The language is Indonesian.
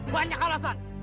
banyak hal hasan